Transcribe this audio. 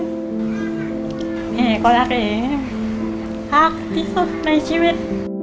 แม่ก็รักเอ๋รักที่สุดในชีวิต